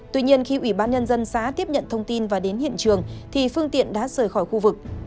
tuy nhiên khi ủy ban nhân dân xã tiếp nhận thông tin và đến hiện trường thì phương tiện đã rời khỏi khu vực